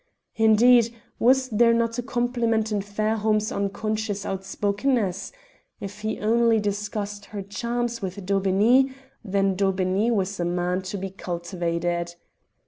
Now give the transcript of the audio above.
Indeed, was there not a compliment in Fairholme's unconscious outspokenness? If he only discussed her charms with Daubeney then Daubeney was a man to be cultivated.